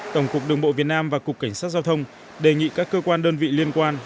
tổng cục đường bộ việt nam và cục cảnh sát giao thông đề nghị các cơ quan đơn vị liên quan